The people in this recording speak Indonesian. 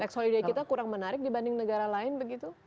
tax holiday kita kurang menarik dibanding negara lain begitu